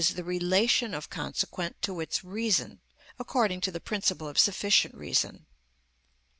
_, the relation of consequent to its reason, according to the principle of sufficient reason.